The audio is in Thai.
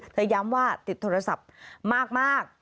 ย้ำว่าติดโทรศัพท์มาก